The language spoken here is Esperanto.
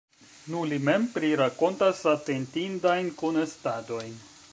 Nu, li mem prirakontas atentindajn kunestadojn.